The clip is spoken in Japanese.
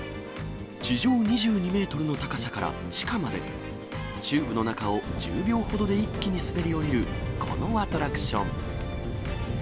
地上２２メートルの高さから地下まで、チューブの中を１０秒ほどで一気に滑り降りるこのアトラクション。